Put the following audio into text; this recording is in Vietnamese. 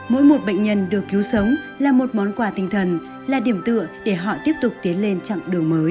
mỗi một bệnh nhân được cứu sống là một món quà tinh thần là điểm tựa để họ tiếp tục tiến lên chặng đường mới